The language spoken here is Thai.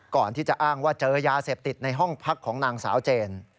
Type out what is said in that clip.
ก่อนที่จะอ้างว่าเจอยาเสพติดในห้องพักของนางสาวเจน